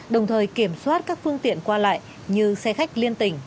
đồng thời kiểm soát các phương tiện qua lại như xe khách liên tỉnh